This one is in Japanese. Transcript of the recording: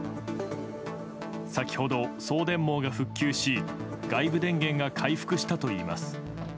先ほど、送電網が復旧し外部電源が回復したといいます。